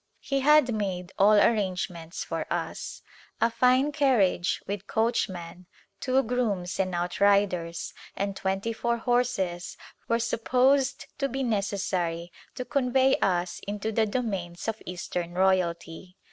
He had made all arrangements for us. A fine carriage, with coachman, two grooms and outriders and twenty four horses were supposed to be necessar\' to convey us into the domains of Eastern royalty.